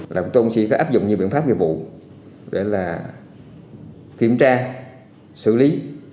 lòng tôi cũng sẽ có áp dụng nhiều biện pháp về vụ để là kiểm tra xử lý